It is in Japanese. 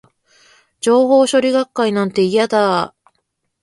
情報処理学会なんて、嫌だー